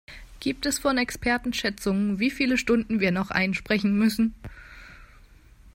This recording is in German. Gibt es von Experten Schätzungen, wie viele Stunden wir noch einsprechen müssen?